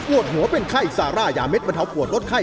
วดหัวเป็นไข้ซาร่ายาเด็ดบรรเทาปวดลดไข้